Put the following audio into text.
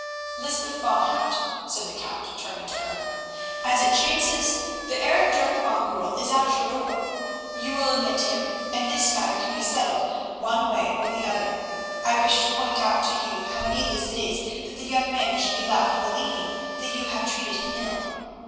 "Lysbeth van Hout," said the Count, turning to her, "as it chances the Heer Dirk van Goorl is at your door. You will admit him, and this matter can be settled one way or the other. I wish to point out to you how needless it is that the young man should be left believing that you have treated him ill.